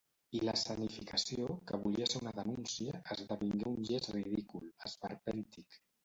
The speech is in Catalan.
I l’escenificació, que volia ser una denúncia, esdevingué un gest ridícul, esperpèntic.